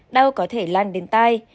đau có thể lan đến tay